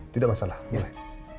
tidak masalah mulai